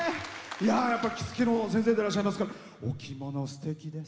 着付けの先生でいらっしゃいますからお着物すてきです。